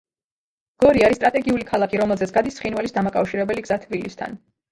გორი არის სტრატეგიული ქალაქი, რომელზეც გადის ცხინვალის დამაკავშირებელი გზა თბილისთან.